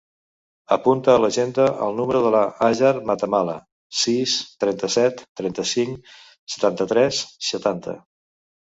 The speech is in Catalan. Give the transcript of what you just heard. Apunta a l'agenda el número de la Hajar Matamala: sis, trenta-set, trenta-cinc, setanta-tres, setanta.